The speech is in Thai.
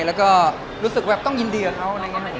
เราก็รู้สึกว่าต้องยินดีกับเขา